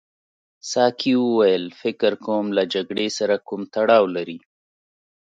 ساقي وویل فکر کوم له جګړې سره کوم تړاو لري.